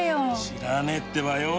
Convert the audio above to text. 知らねえってばよ。